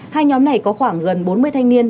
hai nhóm này có khoảng gần bốn mươi thanh niên